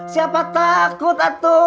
siapa takut atuh